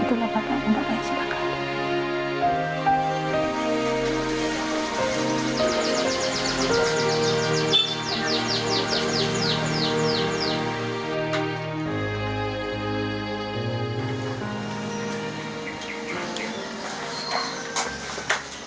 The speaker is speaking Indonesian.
itulah bapak yang bapak yang serahkan